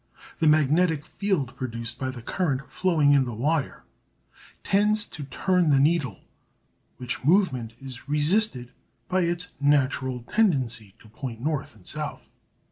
The magnetic field produced by the current flowing in the wire tends to turn the needle, which movement is resisted by its natural tendency to point north and south.